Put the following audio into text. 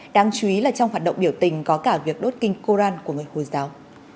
đáng chú ý là trong hoạt động biểu tình có cả việc đốt kinh koran của người hồi giáo